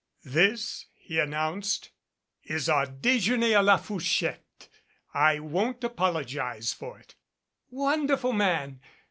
"This," he announced, "is our dejeuner a la fourchette. I won't apologize for it." "Wonderful man!